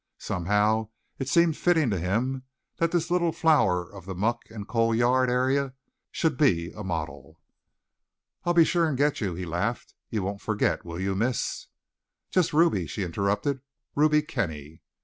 Somehow it seemed fitting to him that this little flower of the muck and coal yard area should be a model. "I'll be sure and get you," he laughed. "You won't forget, will you, Miss " "Just Ruby," she interrupted. "Ruby Kenny."